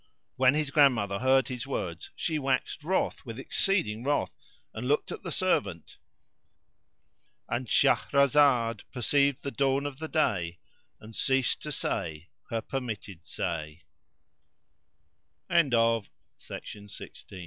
When his grandmother heard his words she waxed wroth with exceeding wrath and looked at the servant—And Shahrazad perceived the dawn of day and ceased to say her permit